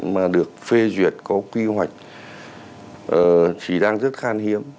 mà được phê duyệt có quy hoạch thì đang rất khan hiếm